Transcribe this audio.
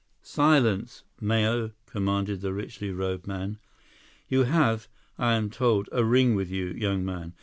"Silence, Mao!" commanded the richly robed man. "You have, I am told, a ring with you, young man.